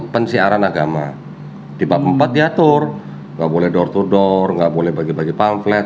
penyiaran agama tiba tiba diatur nggak boleh door to door nggak boleh bagi bagi pamflet